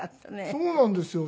そうなんですよ。